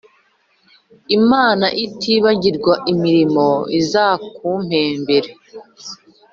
Imana itibagirwa imirimo izakumpembere